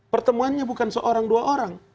pertemuannya bukan seorang dua orang